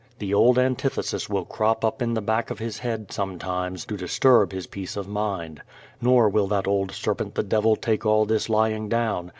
The old antithesis will crop up in the back of his head sometimes to disturb his peace of mind. Nor will that old serpent the devil take all this lying down.